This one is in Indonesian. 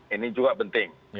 ini juga penting